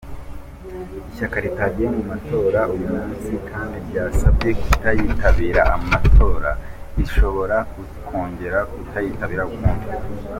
"Ishyaka ritagiye mu matora uyu munsi kandi ryasabye kutitabira amatora ntirishobora kongera kuyitabira ukundi.